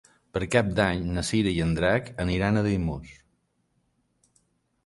Per Cap d'Any na Cira i en Drac aniran a Daimús.